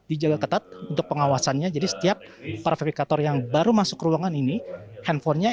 dijaga ketat untuk pengawasannya jadi setiap para verifikator yang baru masuk ruangan ini handphonenya